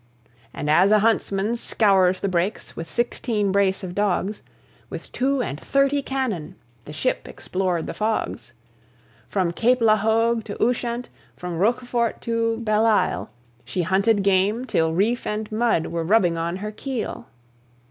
And as a huntsman scours the brakes with sixteen brace of dogs, With two and thirty cannon the ship explored the fogs. From Cape la Hogue to Ushant, from Rochefort to Belleisle, She hunted game till reef and mud were rubbing on her keel.